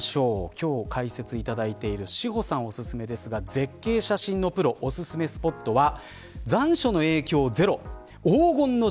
今日解説いただいている詩歩さんおすすめなんですが絶景写真のプロおすすめ紅葉スポットです。